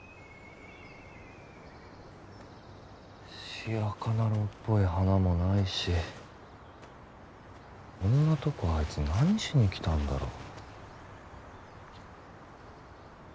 シヤカナローっぽい花もないしこんなとこあいつ何しに来たんだろう？